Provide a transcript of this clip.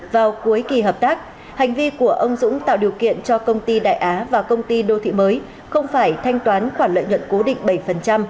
vào cuối kỳ hợp tác hành vi của ông dũng tạo điều kiện cho công ty đại á và công ty đô thị mới không phải thanh toán khoản lợi nhuận cố định bảy